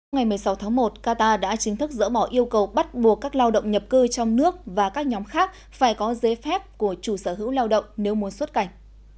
ngày một mươi sáu tháng một qatar đã chính thức dỡ bỏ yêu cầu bắt buộc các lao động nhập cư trong nước và các nhóm khác phải có giấy phép của chủ sở hữu lao động nếu muốn xuất cảnh